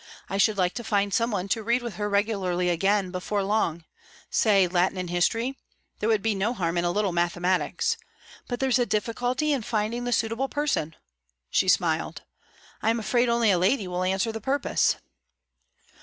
I should like to find some one to read with her regularly again before long say Latin and history; there would be no harm in a little mathematics. But there's a difficulty in finding the suitable person." She smiled. "I'm afraid only a lady will answer the purpose."